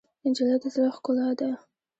نجلۍ د زړه ښکلا ده.